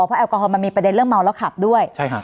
เพราะแอลกอฮอลมันมีประเด็นเรื่องเมาแล้วขับด้วย